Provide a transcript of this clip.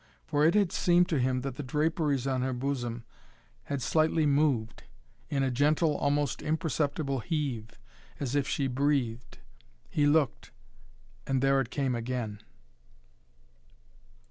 For it had seemed to him that the draperies on her bosom had slightly moved, in a gentle, almost imperceptible heave, as if she breathed. He looked and there it came again!